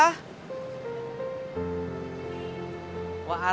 neng rika aku mau ke rumah